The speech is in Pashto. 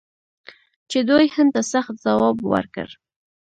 چې دوی هند ته سخت ځواب ورکړ.